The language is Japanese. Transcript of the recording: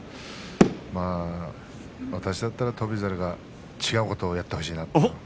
まあ、私だったら翔猿が違うことをやってほしいなと。